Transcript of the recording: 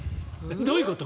どういうこと？